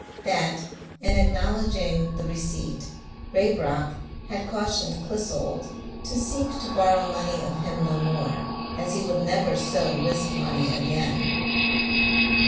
That, in acknowlodging the receipt, Raybrock had cautioned Clissold to seek to borrow money of him no more, as he would never so risk money again.